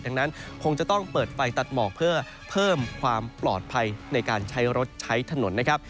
ดังนั้นคงจะต้องเปิดไฟตัดหมอกเพื่อเพิ่มความปลอดภัยในการใช้รถใช้ถนนนะครับ